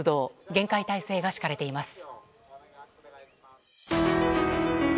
厳戒態勢が敷かれています。